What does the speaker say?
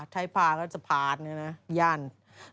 ไทยป่าก็จะผ่านอย่างนี้นะยั่น